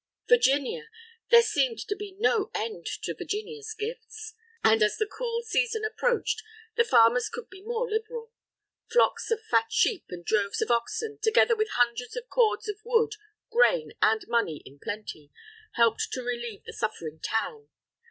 Virginia! there seemed to be no end to Virginia's gifts! And as the cool season approached, the farmers could be more liberal. Flocks of fat sheep and droves of oxen, together with hundreds of cords of wood, grain, and money in plenty, helped to relieve the suffering town.